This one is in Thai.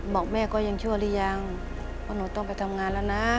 บอกแม่ก็ยังชั่วหรือยังเพราะหนูต้องไปทำงานแล้วนะ